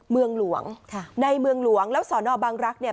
เมืองหลวงค่ะในเมืองหลวงแล้วสอนอบังรักษ์เนี่ย